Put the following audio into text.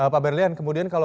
pak berlian kemudian kalau